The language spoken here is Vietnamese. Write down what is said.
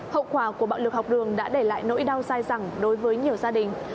hậu quả của bạo lực học đường đã để lại nỗi đau dài rằng đối với nhiều gia đình